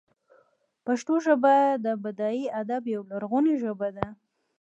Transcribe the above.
پښتو ژبه د بډای ادب یوه لرغونې ژبه ده.